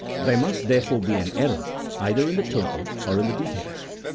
There must, therefore, be an error, either in the total, or in the details.